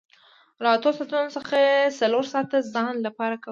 له اتو ساعتونو څخه یې څلور ساعته د ځان لپاره کول